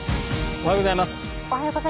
おはようございます。